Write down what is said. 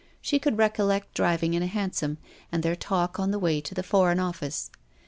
She could recollect driving with her father in a hansom, and their talk on the way to the Foreign Office.